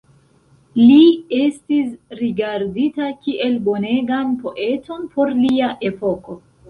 Li estis rigardita kiel bonegan poeton por lia epoko.